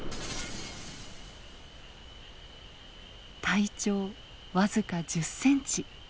体長僅か１０センチ。